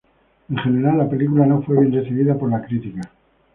En general, la película no fue bien recibida por la crítica.